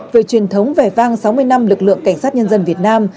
về truyền thống vẻ vang sáu mươi năm lực lượng cảnh sát nhân dân việt nam